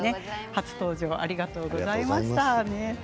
初登場ありがとうございました。